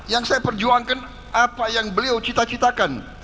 yang saya perjuangkan apa yang beliau cita citakan